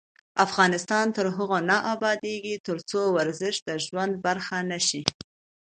افغانستان تر هغو نه ابادیږي، ترڅو ورزش د ژوند برخه نشي.